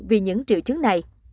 vì những triệu chứng này